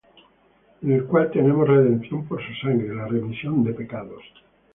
En el cual tenemos redención por su sangre, la remisión de pecados: